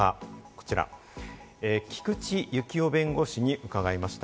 こちら、菊地幸夫弁護士に伺いました。